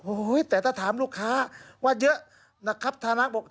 โอ้โหแต่ถ้าถามลูกค้าว่าเยอะนะครับฐานะบอก